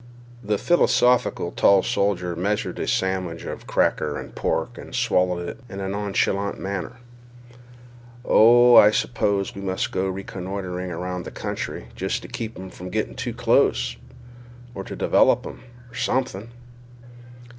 The philosophical tall soldier measured a sandwich of cracker and pork and swallowed it in a nonchalant manner. "Oh, I suppose we must go reconnoitering around the country jest to keep 'em from getting too close, or to develop 'em, or something."